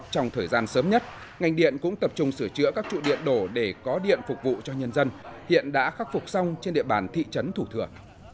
trong thời gian sớm nhất ngành điện cũng tập trung sửa chữa các trụ điện đổ để có điện phục vụ cho nhân dân hiện đã khắc phục xong trên địa bàn thị trấn thủ thừa